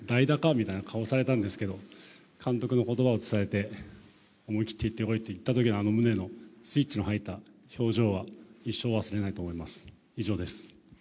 みたいな顔されたんですけど監督の言葉を伝えて、思い切っていってこいと言ったときのムネのスイッチが入った表情は一生忘れないと思います。